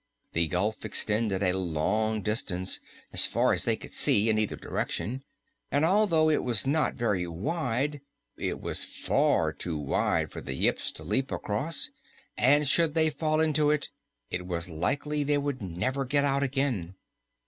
The gulf extended a long distance as far as they could see in either direction and although it was not very wide, it was far too wide for the Yips to leap across it. And should they fall into it, it was likely they might never get out again.